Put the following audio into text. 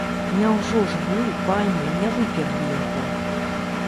Няўжо ж вы, пані, не выперлі яго?